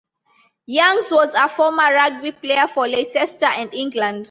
Youngs was a former rugby player for Leicester and England.